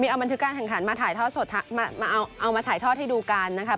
เอาบัณฑฤการแข็งขันมาถ่ายทอดให้ดูกันนะครับ